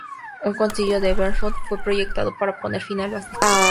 Un concilio en Brentford fue proyectado para poner fin a las disputas.